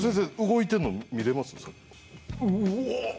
動いてんの見れます？